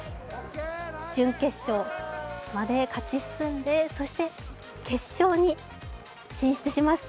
準決勝まで勝ち進んで、そして決勝に進出します。